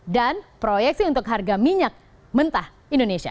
dan proyeksi untuk harga minyak mentah indonesia